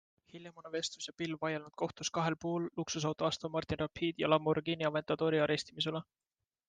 Hiljem on Evestus ja Pilv vaielnud kohtus kahel puhul luksusauto Aston Martin Rapide ja Lamborghini Aventadori arestimise üle.